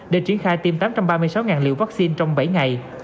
để triển khai tiêm tám trăm ba mươi sáu liều vaccine trong bảy ngày